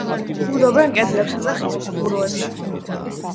ბუდობენ კლდეებსა და ხის ფუღუროებში.